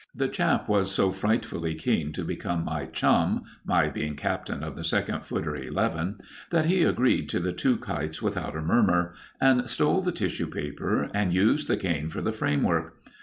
The chap was so frightfully keen to become my chum (my being captain of the second footer eleven) that he agreed to the two kites without a murmur, and stole the tissue paper and used the cane for the framework.